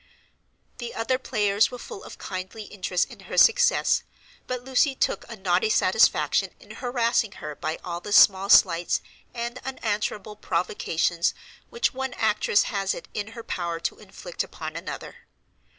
The other players were full of kindly interest in her success, but Lucy took a naughty satisfaction in harassing her by all the small slights and unanswerable provocations which one actress has it in her power to inflict upon another.